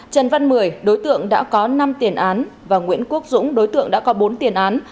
trần văn mười đối tượng đã có năm tiền án và nguyễn quốc dũng đối tượng đã có bốn tiền án